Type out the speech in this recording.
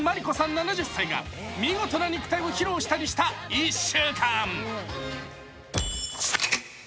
７０歳が見事な肉体を披露したりした１週間。